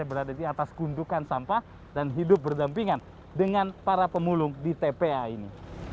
berada di atas gundukan sampah dan hidup berdampingan dengan para pemulung di tpa ini